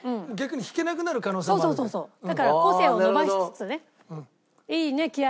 だから個性を伸ばしつつね。